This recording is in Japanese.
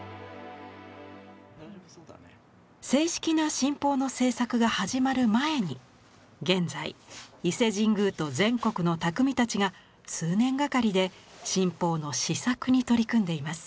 正式な神宝の制作が始まる前に現在伊勢神宮と全国の匠たちが数年がかりで神宝の試作に取り組んでいます。